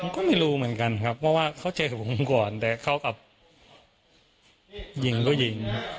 ก็ไม่รู้เหมือนกันครับเพราะว่าเขาเจอกับผมก่อนแต่เขากลับยิงก็ยิง